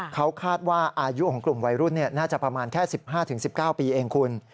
เขาคาดว่าอายุของกลุ่มวัยรุ่นน่าจะประมาณแค่๑๕๑๙ปีเองคุณ